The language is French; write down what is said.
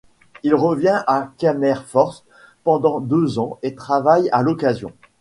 Il revient à Kammerforst pendant deux ans et travaille à l'occasion.